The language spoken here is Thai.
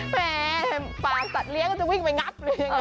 แม่ปากสัตว์เลี้ยก็จะวิ่งไปงับเลย